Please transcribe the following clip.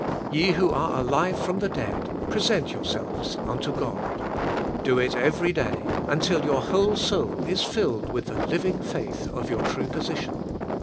Ye who are alive from the dead, present yourselves unto God; do it every day until your whole soul is filled with the living faith of your true position.